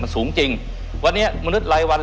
มันสูงจริงวันนี้มนุษย์รายวัน